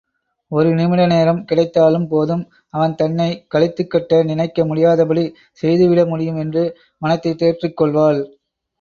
ஒரு நிமிடநேரம் கிடைத்தாலும் போதும், அவன் தன்னைக் கழித்துக்கட்ட நினைக்க முடியாதபடி செய்துவிட முடியும் என்று மனத்தை தேற்றிக்கொள்வாள்.